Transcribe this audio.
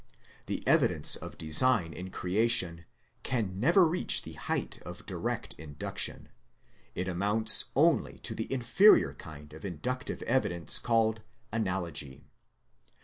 The evidence of design in creation can never reach the height of direct induction ; it amounts only to the inferior kind of inductive evidence called analogy.